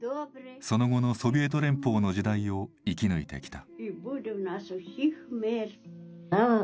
その後のソビエト連邦の時代を生き抜いてきた。